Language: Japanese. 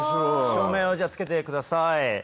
照明をじゃあつけてください。